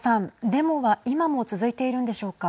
デモは今も続いているんでしょうか。